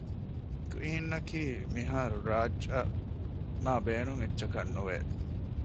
ކްއީންއަކީ މިހާރު ރާޖްއަށް މާބޭނުން އެއްޗަކަށް ނުވެ